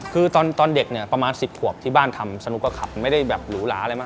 คือตอนเด็กเนี่ยประมาณ๑๐ขวบที่บ้านทำสนุกก็ขับไม่ได้แบบหรูหลาอะไรมาก